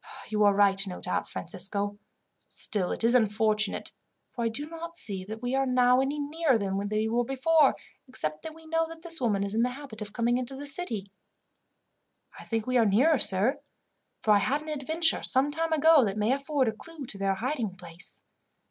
"You are right, no doubt, Francisco. Still, it is unfortunate, for I do not see that we are now any nearer than we were before, except that we know that this woman is in the habit of coming into the city." "I think we are nearer, sir, for I had an adventure some time ago that may afford a clue to their hiding place."